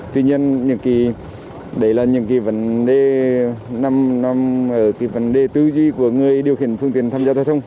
tuy nhiên đấy là những vấn đề tư duy của người điều khiển phương tiện tham gia thông thông